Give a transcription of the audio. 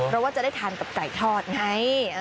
เพราะว่าจะได้ทานกับไก่ทอดไง